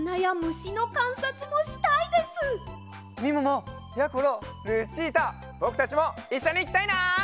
みももやころルチータぼくたちもいっしょにいきたいな！